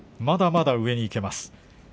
まだまだ上にいけます。